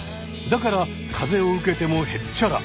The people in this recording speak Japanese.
だから風を受けてもへっちゃら！